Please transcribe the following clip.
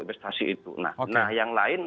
investasi itu nah yang lain